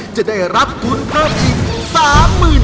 จะได้รับทุนเพิ่มอีก